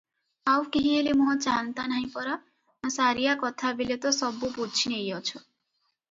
ଆଉ କେହି ହେଲେ ମୁହଁ ଚାହନ୍ତା ନାହିଁ ପରା?" ସାରିଆ କଥାବେଳେ ତ ସବୁ ବୁଝି ନେଇଅଛ!